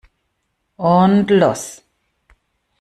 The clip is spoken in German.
Und los!